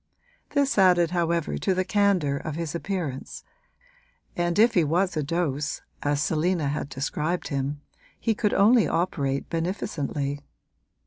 This added however to the candour of his appearance, and if he was a dose, as Selina had described him, he could only operate beneficently.